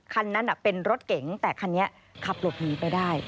คันนั้นเป็นรถเก๋งแต่คันนี้ขับหลบหนีไปได้